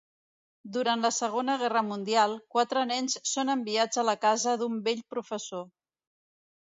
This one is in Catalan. Durant la segona guerra mundial, quatre nens són enviats a la casa d'un vell professor.